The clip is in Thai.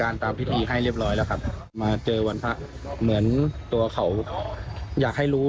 ไปทำพิธีให้หน่อย